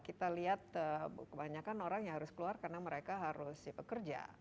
kita lihat kebanyakan orang yang harus keluar karena mereka harus bekerja